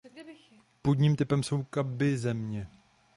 Půdním typem jsou kambizemě.